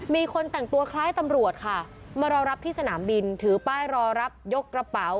มีคนแต่งตัวคล้ายตำรวจค่ะมารอรับที่สนามบินถือป้ายรอรับยกกระเป๋า